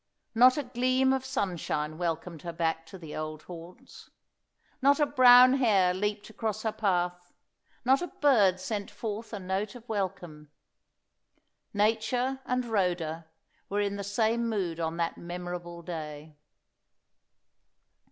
Not a gleam of sunshine welcomed her back to the old haunts; not a brown hare leaped across her path; not a bird sent forth a note of welcome. Nature and Rhoda were in the same mood on that memorable day.